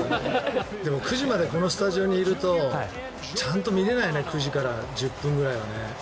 でも、９時までこのスタジオにいるとちゃんと見れないね９時から１０分ちょっとは。